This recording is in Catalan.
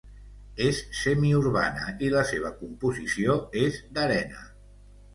És semiurbana i la seva composició és d'arena.